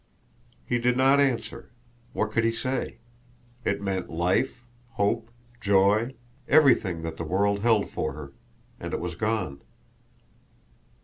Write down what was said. He did not answer. What could he say? It meant life, hope, joy, everything that the world held for her and it was gone.